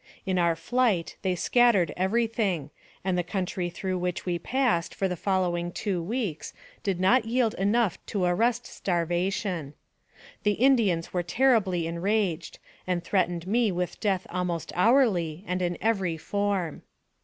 In our flight they scattered every thing, and the country through which we passed for the following two weeks did not yield enough to arrest starvation. The AMONG THE SIOUX INDIANS. 107 Indians were terribly enraged, and threatened me with death almost hourly, and in every form.